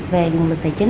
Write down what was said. về nguồn lực tài chính